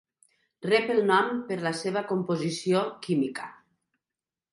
Rep el nom per la seva composició química.